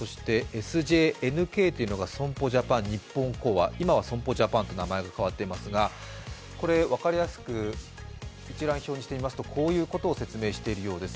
ＳＪＮＫというのが損保ジャパン日本興亜、今は損保ジャパンと名前が変わっていますがこれは分かりやすく一覧表にしてみますと、こういうことを言っているようです。